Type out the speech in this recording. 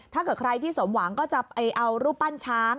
ถ้าเกิดใครที่สมหวังก็จะไปเอารูปปั้นช้าง